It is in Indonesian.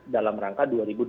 dalam rangka dua ribu dua puluh